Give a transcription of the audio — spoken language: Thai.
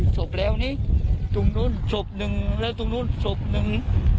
ศพแล้วนี่ตรงนู้นศพหนึ่งแล้วตรงนู้นศพหนึ่ง